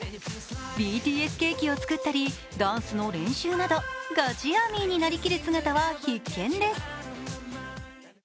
ＢＴＳケーキを作ったり、ダンスの練習などガチＡＲＭＹになりきる姿は必見です。